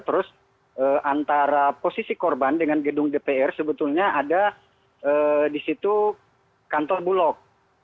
terus antara posisi korban dengan gedung dpr sebetulnya ada di situ kantor bulog